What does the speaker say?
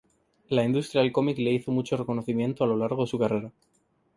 La industria del comic le hizo muchos reconocimientos a lo largo de su carrera.